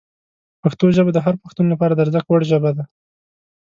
پښتو ژبه د هر پښتون لپاره د ارزښت وړ ژبه ده.